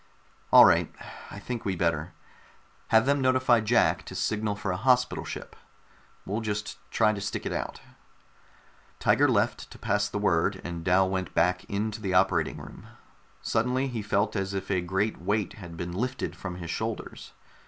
"All right. I think we'd better. Have them notify Jack to signal for a hospital ship. We'll just try to stick it out." Tiger left to pass the word, and Dal went back into the operating room. Suddenly he felt as if a great weight had been lifted from his shoulders.